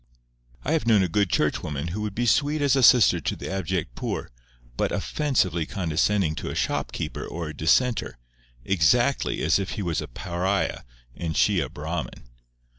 I have known a good churchwoman who would be sweet as a sister to the abject poor, but offensively condescending to a shopkeeper or a dissenter, exactly as if he was a Pariah, and she a Brahmin.